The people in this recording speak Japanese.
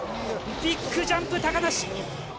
ビッグジャンプ、高梨。